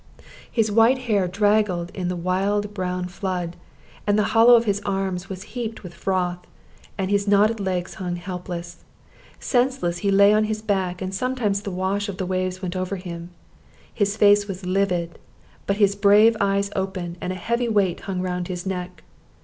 His white hair draggled in the wild brown flood, and the hollow of his arms was heaped with froth, and his knotted legs hung helpless. Senseless he lay on his back, and sometimes the wash of the waves went over him. His face was livid, but his brave eyes open, and a heavy weight hung round his neck.